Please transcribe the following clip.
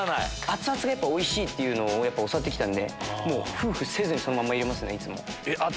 熱々がおいしいっていうのを教わって来たんでフフせずにそのまま入れますねいつも。